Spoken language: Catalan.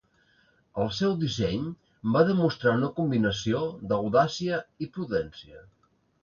El seu disseny va demostrar una combinació d'audàcia i prudència.